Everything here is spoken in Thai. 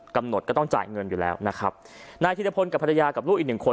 กำหนดก็ต้องจ่ายเงินอยู่แล้วนะครับนายธิรพลกับภรรยากับลูกอีกหนึ่งคน